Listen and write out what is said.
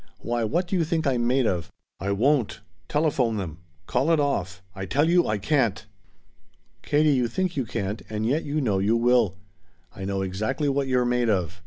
Why what do you think I'm made of? I won't. Telephone them. Call it off. I tell you I can't." "Katie, you think you can't, and yet you know you will. I know exactly what you're made of.